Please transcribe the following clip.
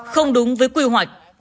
không đúng với quy hoạch